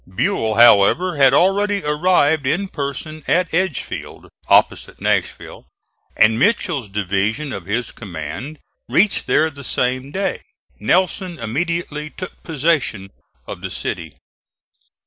Buell, however, had already arrived in person at Edgefield, opposite Nashville, and Mitchell's division of his command reached there the same day. Nelson immediately took possession of the city.